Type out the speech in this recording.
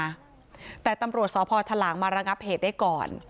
ด้วยนะแต่ตำรวจสอบพอร์ทหลังมารังอับเหตุได้ก่อน